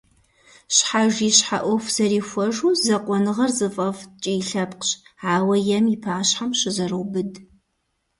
Щхьэж и щхьэ Ӏуэху зэрихуэжу, закъуэныгъэр зыфӀэфӀ ткӀий лъэпкъщ, ауэ ем и пащхьэм щызэроубыд.